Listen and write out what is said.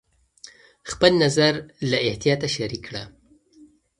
خپل نظر له احتیاطه شریک کړه.